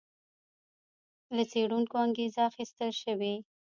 له څېړونکو انګېزه اخیستل شوې.